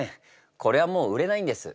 これはもう売れないんです。